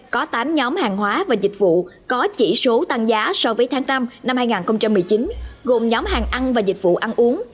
có tám nhóm hàng hóa và dịch vụ có chỉ số tăng giá so với tháng năm năm hai nghìn một mươi chín gồm nhóm hàng ăn và dịch vụ ăn uống